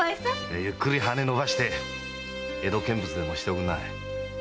ゆっくり羽のばして江戸見物でもしておくんなさい。